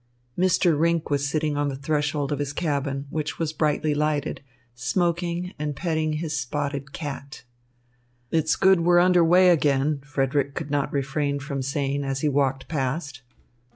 Mr. Rinck was sitting on the threshold of his cabin, which was brightly lighted, smoking and petting his spotted cat. "It's good we're under way again," Frederick could not refrain from saying as he walked past.